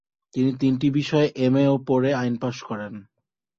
তিনি তিনটি বিষয়ে এম এ ও পরে আইন পাস করেন ।